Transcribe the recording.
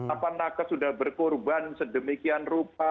apa nakes sudah berkorban sedemikian rupa